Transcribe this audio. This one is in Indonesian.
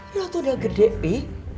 lo tuh udah gede pi